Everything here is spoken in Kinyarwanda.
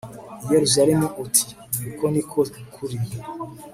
i Yerusalemu uti uku ni ko kuri